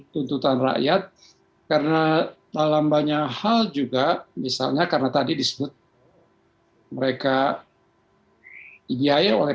tuntutan rakyat karena dalam banyak hal juga misalnya karena tadi disebut mereka dibiaya oleh